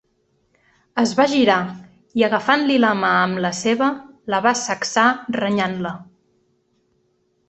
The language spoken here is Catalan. Es va girar, i agafant-li la mà amb la seva, la va sacsar renyant-la.